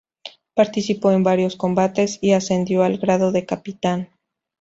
Participó en varios combates y ascendió al grado de capitán.